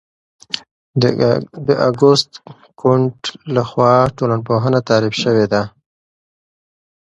د اګوست کُنت لخوا ټولنپوهنه تعریف شوې ده.